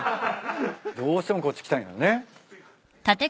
どうしてもこっち来たいんだね。